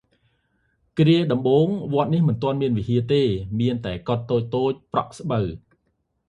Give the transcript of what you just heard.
គ្រាកសាងដំបូង វត្តនេះមិនទាន់មានវិហារទេ មានតែកុដិតូចៗប្រក់ស្បូវ។